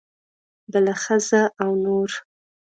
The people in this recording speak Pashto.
بله ښځه او نور.